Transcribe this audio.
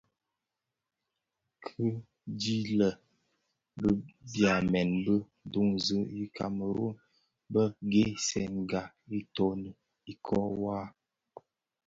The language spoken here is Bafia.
Kidhilè, bi byamèn bi duňzi i Kameru bë ghèsènga itoni ikōō waa.